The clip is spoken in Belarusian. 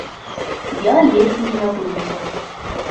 Я ледзь не забыўся.